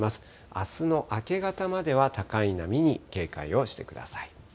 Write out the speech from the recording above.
あすの明け方までは高い波に警戒をしてください。